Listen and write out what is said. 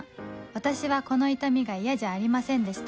私はこの痛みが嫌じゃありませんでした